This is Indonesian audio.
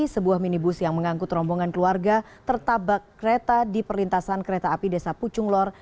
sebuah minibus yang mengangkut rombongan keluarga tertabak kereta di perlintasan kereta api desa pucunglor